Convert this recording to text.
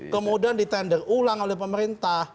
kemudian di tender ulang oleh pemerintah